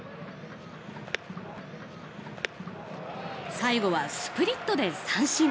最後はスプリットで三振。